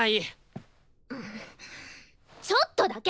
ちょっとだけ！